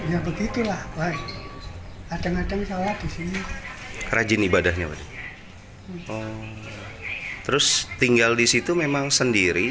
ya begitulah baik adeng adem salah disini rajin ibadahnya waduh terus tinggal disitu memang sendiri